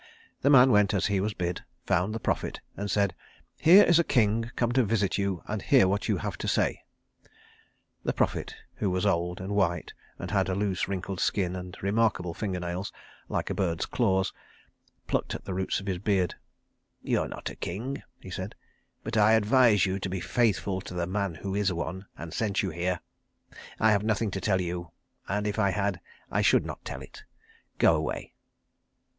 The man went as he was bid, found the prophet and said, "Here is a king come to visit you and hear what you have to say." The prophet, who was old, and white, and had a loose, wrinkled skin and remarkable finger nails, like a bird's claws, plucked at the roots of his beard. "You are not a king," he said, "but I advise you to be faithful to the man who is one, and sent you here. I have nothing to tell you, and if I had I should not tell it. Go away."